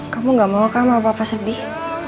kamu gak mau ke rumah papa sedih